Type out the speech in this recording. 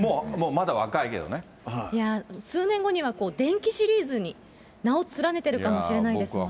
いや、数年後には伝記シリーズに名を連ねてるかもしれないですよね。